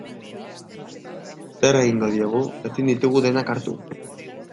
Zer egingo diegu, ezin ditugu denak hartu.